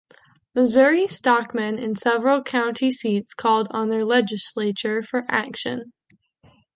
Missouri stockmen in several county seats called on their legislature for action.